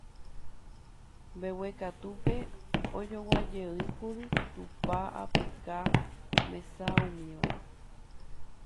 Mbeguekatúpe ojoguajeýkuri tupa, apyka, mesa, umíva.